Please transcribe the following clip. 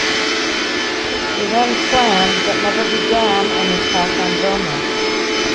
He then planned but never began an attack on Vilnius.